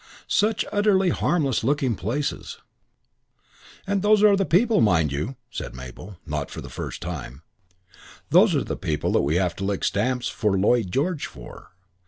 Such utterly harmless looking places: "And those are the people, mind you," said Mabel not for the first time "those are the people that we have to lick stamps for Lloyd George for!"